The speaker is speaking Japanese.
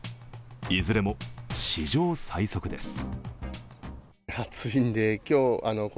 いずれも史上最速です。